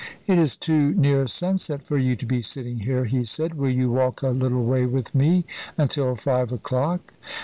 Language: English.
"It is too near sunset for you to be sitting there," he said. "Will you walk a little way with me until five o'clock?"